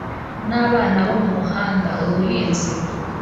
n abana bo mu muhanda ubuhinzi